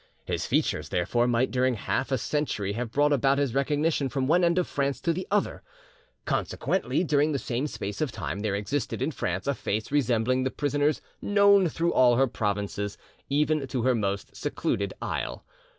His features, therefore, might during half a century have brought about his recognition from one end of France to the other; consequently, during the same space of time there existed in France a face resembling the prisoner's known through all her provinces, even to her most secluded isle.